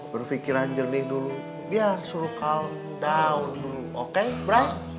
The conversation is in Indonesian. berpikiran jernih dulu biar suruh countdown dulu oke brai